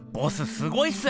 すごいっす！